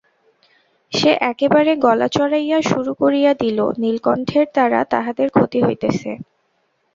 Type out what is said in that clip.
সে একেবারে গলা চড়াইয়া শুরু করিয়া দিল, নীলকণ্ঠের দ্বারা তাহাদের ক্ষতি হইতেছে।